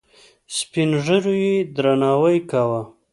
سپین ږیرو یې درناوی کاوه.